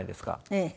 ええ。